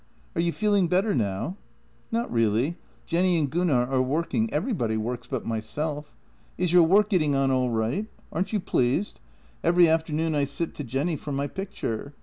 " Are you feeling better now? " "Not really. Jenny and Gunnar are working — everybody works but myself. Is your work getting on all right? Aren't you pleased? Every afternoon I sit to Jenny for my picture.